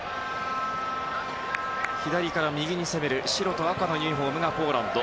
左から右に攻める白と赤のユニホームがポーランド。